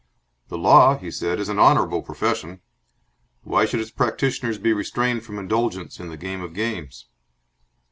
"The Law," he said, "is an honourable profession. Why should its practitioners be restrained from indulgence in the game of games?"